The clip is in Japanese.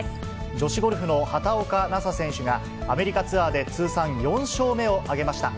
女子ゴルフの畑岡奈紗選手がアメリカツアーで通算４勝目を挙げました。